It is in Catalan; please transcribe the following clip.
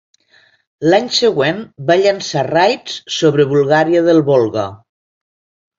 L'any següent va llançar raids sobre Bulgària del Volga.